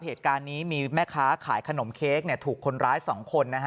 เหตุการณ์นี้มีแม่ค้าขายขนมเค้กถูกคนร้าย๒คนนะฮะ